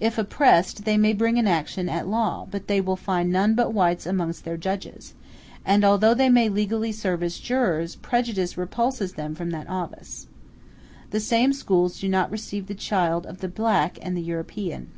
If oppressed, they may bring an action at law, but they will find none but whites amongst their judges; and although they may legally serve as jurors, prejudice repulses them from that office. The same schools do not receive the child of the black and of the European.